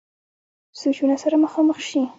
سوچونو سره مخامخ شي -